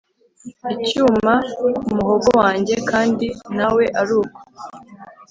Icyuma kumuhogo wanjye kandi nawearuko